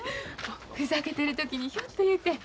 ふざけてる時にひょっと言うて。